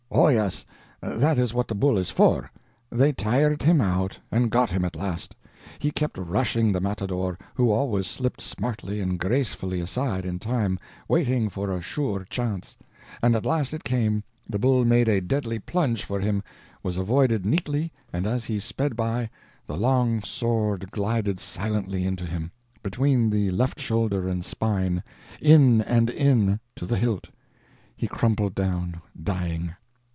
"Oh yes; that is what the bull is for. They tired him out, and got him at last. He kept rushing the matador, who always slipped smartly and gracefully aside in time, waiting for a sure chance; and at last it came; the bull made a deadly plunge for him—was avoided neatly, and as he sped by, the long sword glided silently into him, between left shoulder and spine—in and in, to the hilt. He crumpled down, dying."